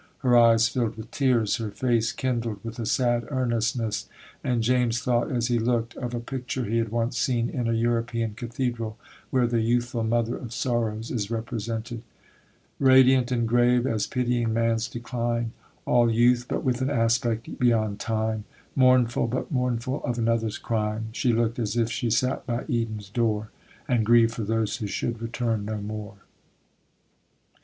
Her eyes filled with tears, her face kindled with a sad earnestness, and James thought, as he looked, of a picture he had once seen in a European cathedral, where the youthful Mother of Sorrows is represented, 'Radiant and grave, as pitying man's decline; All youth, but with an aspect beyond time; Mournful, but mournful of another's crime; She looked as if she sat by Eden's door, And grieved for those who should return no more.